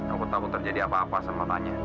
aku takut terjadi apa apa sama tanya